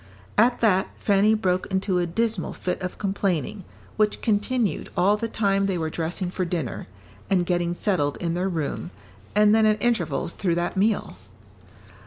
At that, Fanny broke into a dismal fit of complaining, which continued all the time they were dressing for dinner, and getting settled in their room, and then at intervals through that meal.